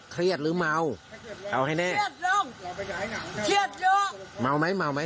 หรือเมาเอาให้แน่เครียดลงเครียดเยอะเมาไหมเมาไหม